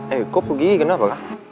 eh kok pergi kenapa